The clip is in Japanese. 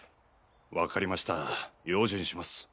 わかりました用心します。